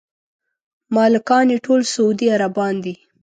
مالکان یې ټول سعودي عربان دي.